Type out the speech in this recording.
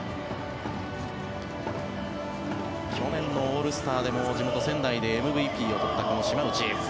去年のオールスターでも地元・仙台でＭＶＰを取ったこの島内。